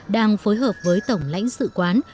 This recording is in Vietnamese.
đang phối hợp với tổng lãnh sự quán